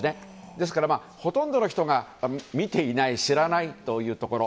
ですから、ほとんどの人が見ていない知らないというところ。